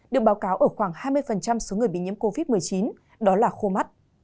được báo cáo ở khoảng hai mươi số người bị nhiễm covid một mươi chín đó là khô mắt